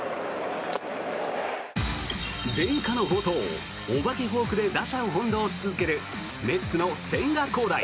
伝家の宝刀、お化けフォークで打者を翻ろうし続けるメッツの千賀滉大。